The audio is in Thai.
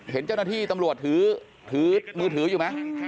เห็นเจ้าหน้าที่ตำรวจถือมือถืออยู่ไหม